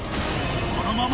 このまま